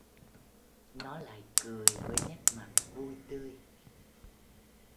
Nó lại cười với nét mặt vui tươi